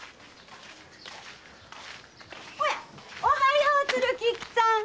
おやおはよう鶴吉さん！